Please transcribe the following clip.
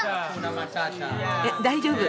えっ大丈夫。